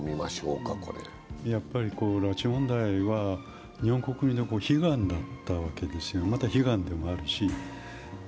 拉致問題は日本国民の悲願だったわけですよ、まだ悲願でもあるし。